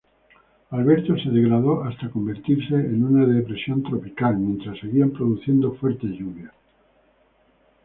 Alberto se degradó hasta convertirse en una depresión tropical, mientras seguía produciendo fuertes lluvias.